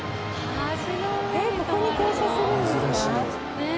羽田：ここに停車するんですか？